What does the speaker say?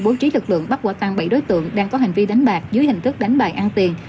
bố trí lực lượng bắt quả tăng bảy đối tượng đang có hành vi đánh bạc dưới hình thức đánh bài ăn tiền